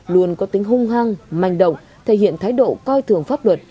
luôn có tính hung hăng manh động thể hiện thái độ coi thường pháp luật